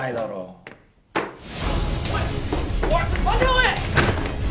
おい！